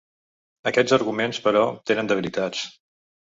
Aquests arguments, però, tenen debilitats.